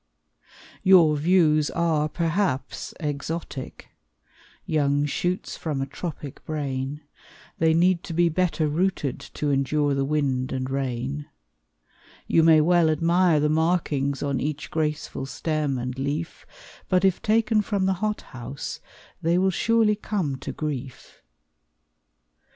Your views are, perhaps, exotic Young shoots from a tropic brain, They need to be better rooted To endure the wind and rain; You may well admire the markings On each graceful stem and leaf, But if taken from the hot house, They will surely come to grief.